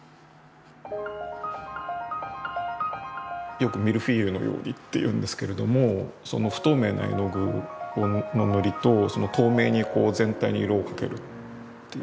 よくミルフィーユのようにっていうんですけれどもその不透明な絵の具の塗りとその透明に全体に色をかけるっていう。